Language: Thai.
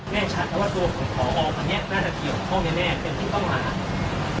แน่ชัดว่าตัวของขอออกมาเนี่ยน่าจะเกี่ยวข้องแน่เป็นที่ต้องหา